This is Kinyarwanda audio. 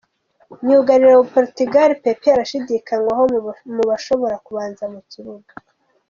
Myugariro wa Portugal, Pepe arashidikanywaho mu bashobora kubanza mu kibuga.